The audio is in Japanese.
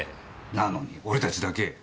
なのに俺たちだけ。